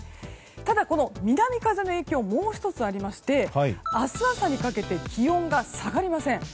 ただ、この南風の影響はもう１つありまして明日朝にかけて気温が下がりません。